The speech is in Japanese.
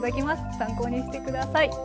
参考にして下さい。